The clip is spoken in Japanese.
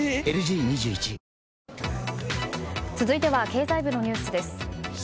続いては経済部のニュースです。